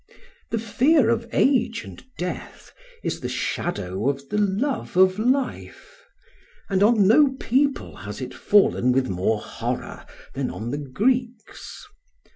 The fear of age and death is the shadow of the love of life; and on no people has it fallen with more horror than on the Greeks.